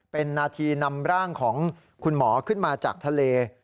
เป็นนาทีนำร่างของคุณหมอขึ้นมาจากทะเล